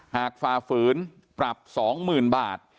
หากฝ่าฝืนปรับสองหมื่นบาท